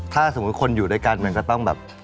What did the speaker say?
ถ้าสมมุติคนอยู่ด้วยกันมันก็ต้องแบบ